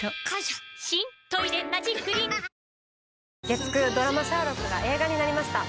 月９ドラマ『シャーロック』が映画になりました。